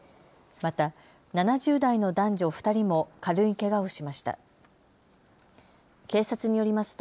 また７０代の男女２人も軽いけがをしました。